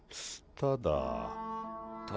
ただ？